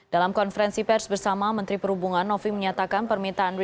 dalam konferensi pers bersama menteri perhubungan novi menyatakan permintaan